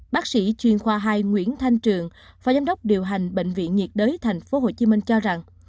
bác sĩ chuyên khoa hai nguyễn thanh trường phó giám đốc điều hành bệnh viện nhiệt đới thành phố hồ chí minh cho rằng